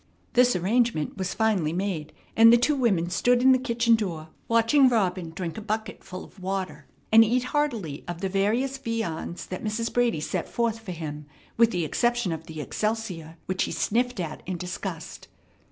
This arrangement was finally made, and the two women stood in the kitchen door, watching Robin drink a bucketful of water and eat heartily of the various viands that Mrs. Brady set forth for him, with the exception of the excelsior, which he snuffed at in disgust.